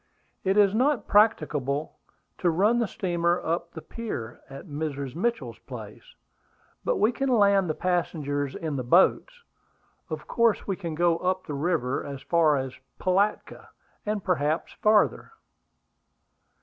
"It is not practicable to run the steamer up to the pier at Mrs. Mitchell's place; but we can land the passengers in the boats. Of course we can go up the river as far as Pilatka, and perhaps farther."